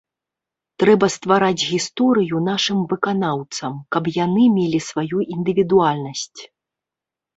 Трэба ствараць гісторыю нашым выканаўцам, каб яны мелі сваю індывідуальнасць.